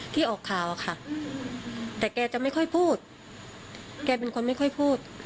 แต่แกจะไม่ค่อยพูดแกเป็นคนไม่ค่อยพูด